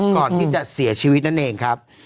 ก่อนที่จะเสียชีวิตนั่นเองครับ